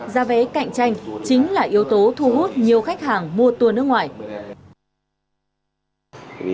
ra vé cạnh tranh chính là yếu tố thu hút nhiều khách hàng mua tour